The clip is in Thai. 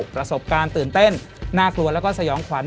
ประสบการณ์ตื่นเต้นน่ากลัวแล้วก็สยองขวัญ